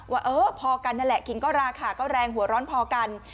ว่าเออพอกันนั่นแหละคิงก็ราคาก็แรงหัวร้อนพอกัน